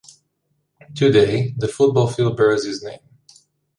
Today, the football field bears his name.